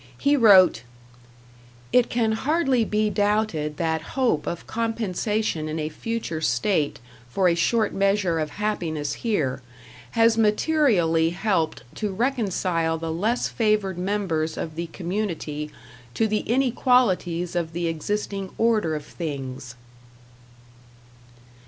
He wrote: It can hardly be doubted that hope of compensation in a future state, for a short measure of happiness here, has materially helped to reconcile the less favored members of the community to the inequalities of the existing order of things.